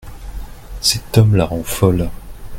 Cet homme la rend folle.